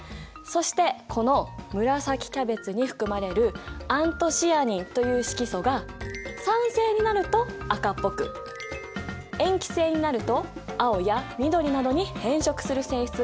そしてこの紫キャベツに含まれるアントシアニンという色素が酸性になると赤っぽく塩基性になると青や緑などに変色する性質があるんだ。